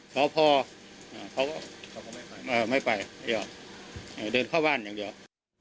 เถาพ่อเขาไม่ไปไม่ยอมเดินเข้าบ้านอย่างเดียว